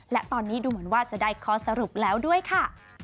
และตอนนี้ดูเหมือนว่าจะได้ข้อสรุปแล้วด้วยค่ะ